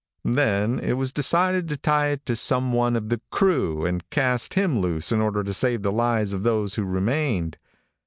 Then it was decided to tie it to some one of the crew and cast him loose in order to save the lives of those who remained.